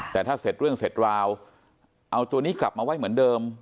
แต่ถ้าเสร็จเรื่องเสร็จราวเอาตัวนี้กลับมาไว้เหมือนเดิม